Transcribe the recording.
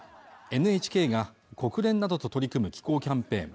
ＮＨＫが国連などと取り組む気候キャンペーン